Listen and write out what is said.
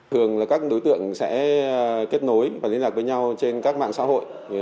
thường là các đối tượng sẽ kết nối và liên lạc với nhau trên các mạng xã hội